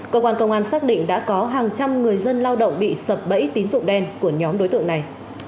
cơ quan công an xác định đã có hàng trăm người dân lao động bị sập bẫy tín dụng đen của nhóm đối tượng này